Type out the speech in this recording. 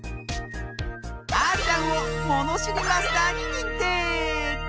あーちゃんをものしりマスターににんてい！